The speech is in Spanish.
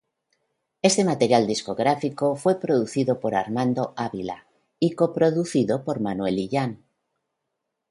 Éste material discográfico fue producido por Armando Ávila y co-producido por Manuel Illán.